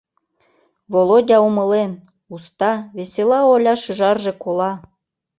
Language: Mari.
Володя умылен — уста, весела Оля шӱжарже кола.